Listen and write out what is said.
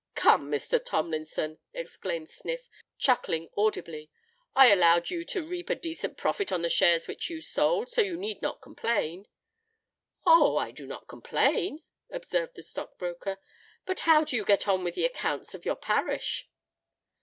"Come, Mr. Tomlinson," exclaimed Sniff, chuckling audibly, "I allowed you to reap a decent profit on the shares which you sold; so you need not complain." "Oh! I do not complain," observed the stock broker. "But how do you get on with the accounts of your parish?"